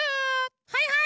はいはい！